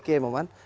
kayak yang memang